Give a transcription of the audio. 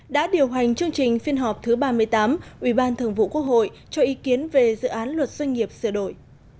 đã điều hành chương trình phiên họp thứ ba mươi tám ubthqh cho ý kiến về dự án luật doanh nghiệp sửa đổi